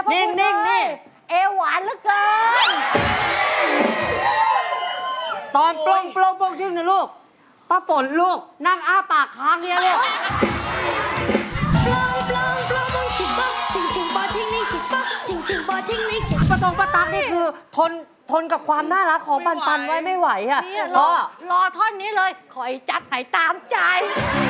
ปล่องปล่องปล่องมองจิงปะจิงจิงปอนจิงนิ่งจิงปะจิงจิงปอนจิงนิ่งจิดคอยจัดให้ตามใจ